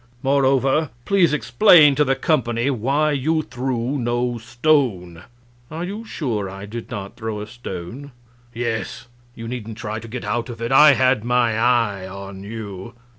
Moreover, please explain to the company why you threw no stone." "Are you sure I did not throw a stone?" "Yes. You needn't try to get out of it; I had my eye on you."